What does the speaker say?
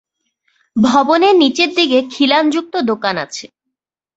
ভবনের নিচের দিকে খিলানযুক্ত দোকান আছে।